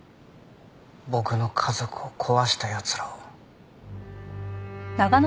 僕の家族を壊した奴らを。